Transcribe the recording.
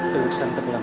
lagi bersantai pulang